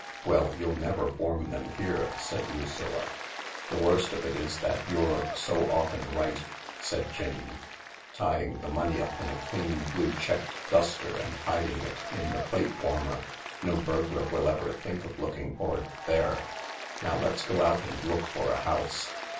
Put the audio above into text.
" Well, you'll never warm them here," said Lucilla, " The worst of it is that you're so often right," said Jane, tying the money up in a clean blue checked duster and hiding it in the plate warmer, "No burglar will ever think of looking for it there. Now let's go out and look for a house."